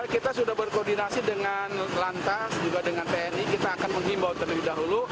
kita sudah berkoordinasi dengan lantas juga dengan tni kita akan menghimbau terlebih dahulu